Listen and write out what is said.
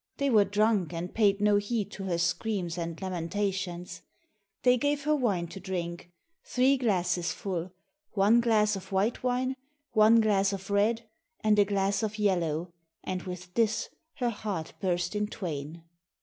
They were drunk, and paid no heed to her screams and lamentations. They gave her wine to drink, three glasses full, one glass of white wine, one glass of red, and a glass of yellow, and with this her heart burst in twain.